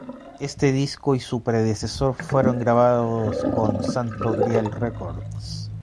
Este disco y su predecesor fueron grabados con Santo Grial Records.